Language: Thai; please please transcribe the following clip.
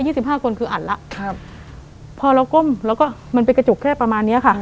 สิบห้าคนคืออัดแล้วครับพอเราก้มแล้วก็มันเป็นกระจกแค่ประมาณเนี้ยค่ะ